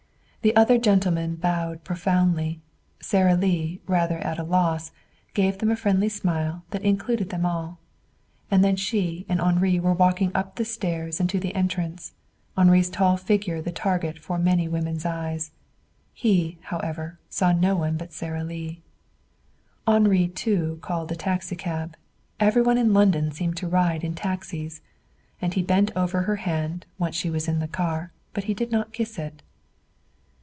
The other gentlemen bowed profoundly. Sara Lee, rather at a loss, gave them a friendly smile that included them all. And then she and Henri were walking up the stairs and to the entrance, Henri's tall figure the target for many women's eyes. He, however, saw no one but Sara Lee. Henri, too, called a taxicab. Every one in London seemed to ride in taxis. And he bent over her hand, once she was in the car, but he did not kiss it.